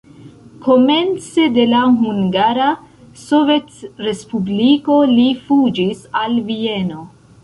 Komence de la Hungara Sovetrespubliko li fuĝis al Vieno.